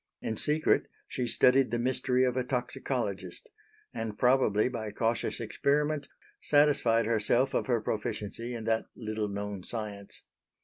In secret she studied the mystery of a toxicologist; and, probably by cautious experiment, satisfied herself of her proficiency in that little known science.